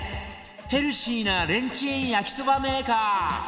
ヘルシーなレンチン焼きそばメーカー